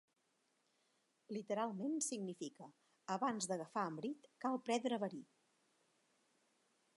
Literalment significa "abans d'agafar Amrit, cal prendre verí".